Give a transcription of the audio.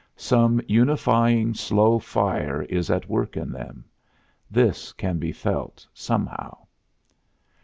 Some unifying slow fire is at work in them. This can be felt, somehow."